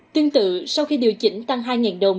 tương tự sau khi điều chỉnh tăng hai đồng